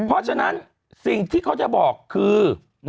เพราะฉะนั้นสิ่งที่เขาจะบอกคือ